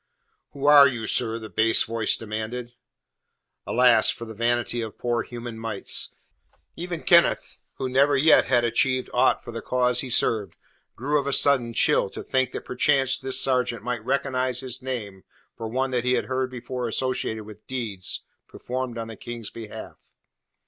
"Who are you, sir?" the bass voice demanded. Alas for the vanity of poor human mites! Even Kenneth, who never yet had achieved aught for the cause he served, grew of a sudden chill to think that perchance this sergeant might recognize his name for one that he had heard before associated with deeds performed on the King's behalf.